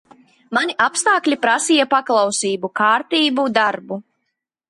Mani apstākļi prasīja paklausību, kārtību, darbu.